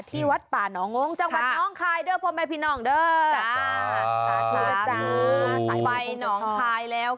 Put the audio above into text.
ที่วัดปานอองก์จงกับน้องคลายด้วพ